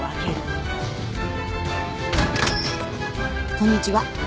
こんにちは。